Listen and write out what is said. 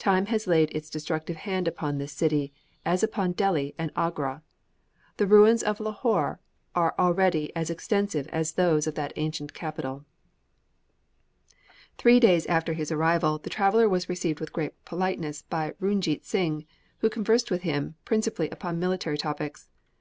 Time has laid its destructive hand upon this city, as upon Delhi and Agra. The ruins of Lahore are already as extensive as those of that ancient capital." Three days after his arrival the traveller was received with great politeness by Runjeet Sing, who conversed with him, principally upon military topics.